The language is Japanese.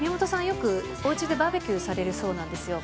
よくお家でバーベキューされるそうなんですよ。